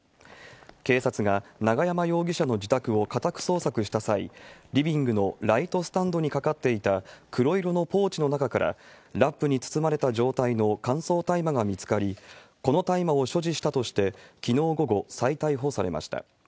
警察が永山容疑者の自宅を家宅捜索した際、リビングのライトスタンドに掛かっていた黒色のポーチの中から、ラップに包まれた状態の乾燥大麻が見つかり、この大麻を所持したとして、きのう午後、再逮捕されました。